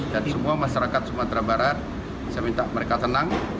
semua masyarakat sumatera barat saya minta mereka tenang